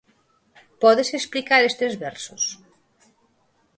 Podes explicar estes versos?